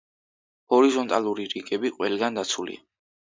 ჰორიზონტალური რიგები ყველგან დაცულია.